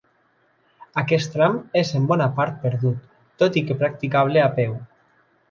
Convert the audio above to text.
Aquest tram és en bona part perdut, tot i que practicable a peu.